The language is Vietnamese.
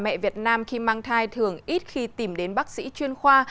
nhiều bà mẹ việt nam khi mang thai thường ít khi tìm đến bác sĩ chuyên khoa